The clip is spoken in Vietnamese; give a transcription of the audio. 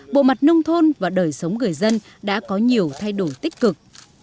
bộ mặt nông thôn và đời sống người dân đã có nhiều thay đổi tích cực